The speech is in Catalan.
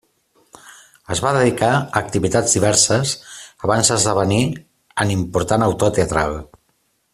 Es va dedicar a activitats diverses abans d'esdevenir en important autor teatral.